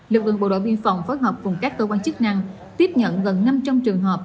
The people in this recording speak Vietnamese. lực lượng bộ đội biên phòng phối hợp cùng các cơ quan chức năng tiếp nhận gần năm trăm linh trường hợp